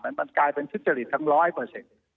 มันกลายเป็นทุจริตทั้งร้อยเปอร์เซ็นต์